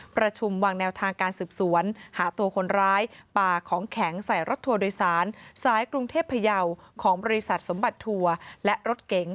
ประชุมวางแนวทางการสืบสวนหาตัวคนร้ายป่าของแข็งใส่รถทัวร์โดยสารสายกรุงเทพพยาวของบริษัทสมบัติทัวร์และรถเก๋ง